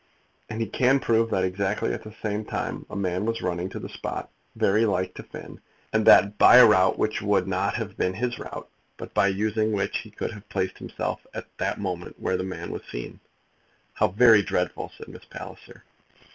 And he can prove that exactly at the same time a man was running to the spot very like to Finn, and that by a route which would not have been his route, but by using which he could have placed himself at that moment where the man was seen." "How very dreadful!" said Miss Palliser.